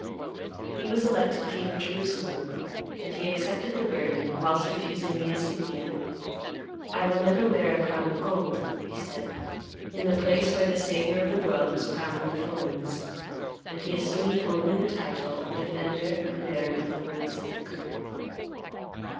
He was elected King of Jerusalem, and he accepted the burden whilst refusing the insignia. "I will never wear a crown of gold," he said, "in the place where the Saviour of the world was crowned with thorns." And he assumed only the title of Defender and Baron of the Holy Sepulchre.